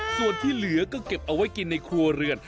ส่วนที่เหลือก็เก็บเอาไว้กินในครัวเรือน